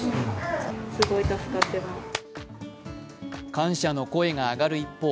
感謝の声が上がる一方